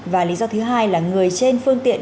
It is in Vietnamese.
và lý do thứ hai là người trên phương tiện